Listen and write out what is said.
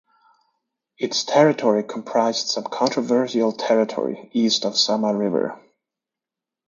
Its territory comprised some controversial territory east of Sama River.